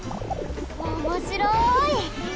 おもしろい！